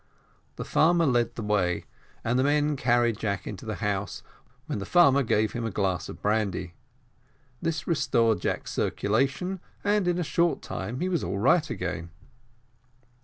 The farmer led the way, and the men carried Jack into the house, when the farmer gave him a glass of brandy; this restored Jack's circulation, and in a short time he was all right again.